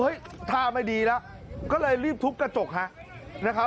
เฮ้ยทาไม่ดีล่ะก็เลยรีบทุกกระจก